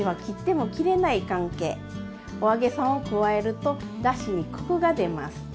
お揚げさんを加えるとだしにコクが出ます。